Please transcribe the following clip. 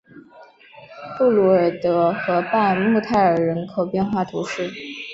布卢尔德河畔穆泰尔人口变化图示